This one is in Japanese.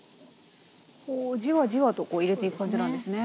こうじわじわと入れていく感じなんですね。